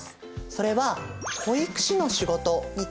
それは保育士の仕事について。